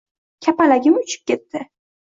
Kapalagim uchib ketdi.